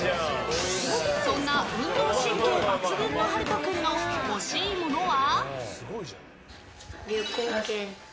そんな運動神経抜群の陽斗君の欲しいものは。